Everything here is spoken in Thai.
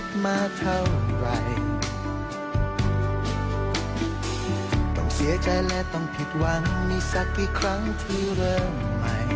ต้องเสียใจและต้องผิดหวังนี่สักกี่ครั้งที่เริ่มใหม่